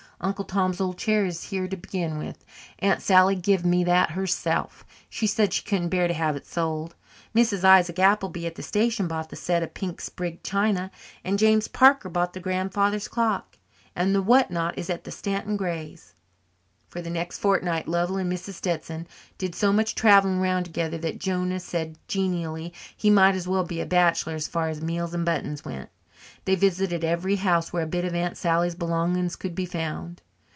Uncle Tom's old chair is here to begin with Aunt Sally give me that herself. She said she couldn't bear to have it sold. Mrs. Isaac Appleby at the station bought the set of pink sprigged china and James Parker bought the grandfather's clock and the whatnot is at the Stanton Grays'." For the next fortnight Lovell and Mrs. Stetson did so much travelling round together that Jonah said genially he might as well be a bachelor as far as meals and buttons went. They visited every house where a bit of Aunt Sally's belongings could be found.